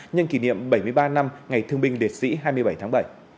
nhân kỷ niệm bảy mươi ba năm ngày thương binh liệt sĩ hai mươi bảy tháng bảy